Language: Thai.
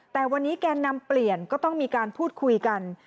แต่วันนี้แกนนำเปลี่ยนก็ต้องมีการพูดคุยกัน